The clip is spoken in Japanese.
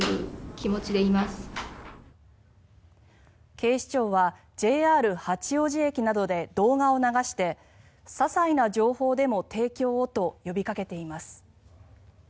警視庁はＪＲ八王子駅などで動画を流してささいな情報でも提供をと呼びかけています。